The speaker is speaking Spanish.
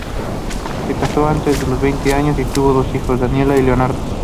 Se casó antes de los veinte años, y tuvo dos hijos, Daniela y Leandro.